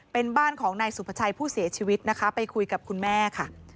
เป็นบ้านของนายสุภาชัยผู้เสียชีวิตนะคะไปคุยกับคุณแม่ค่ะ